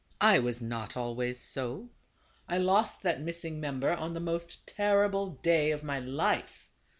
I was not always so ; I lost that missing member on the most terrible day of my life.